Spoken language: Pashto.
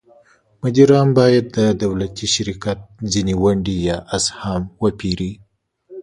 مدیران باید د دولتي شرکت ځینې ونډې یا اسهام وپیري.